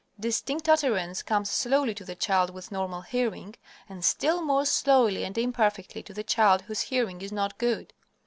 Distinct utterance comes slowly to the child with normal hearing, and still more slowly and imperfectly to the child whose hearing is not good.